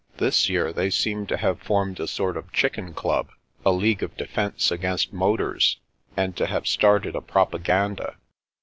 This year they seem to have formed a sort of Chicken Club, a league of defence against motors, and to have started a propaganda."